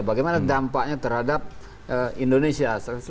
bagaimana dampaknya terhadap indonesia